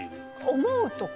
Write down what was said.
「思う」とか。